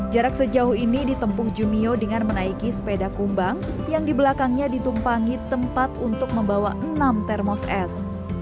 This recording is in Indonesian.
jarak sejauh ini ditempuh jumio dengan menaiki sepeda kumbang yang di belakangnya ditumpangi tempat untuk membawa enam termos es